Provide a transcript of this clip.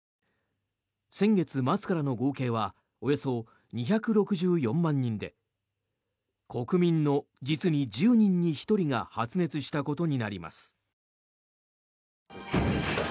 先月末からの合計はおよそ２６４万人で国民の実に１０人に１人が発熱したことになります。